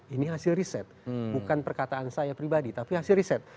ini hasil riset bukan perkataan saya pribadi tapi hasil riset